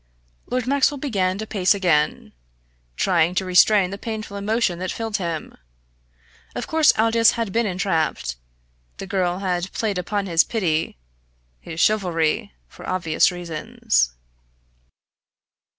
Lord Maxwell began to pace again, trying to restrain the painful emotion that filled him. Of course, Aldous had been entrapped; the girl had played upon his pity, his chivalry for obvious reasons.